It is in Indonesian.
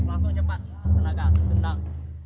langsung cepat tenaga tendang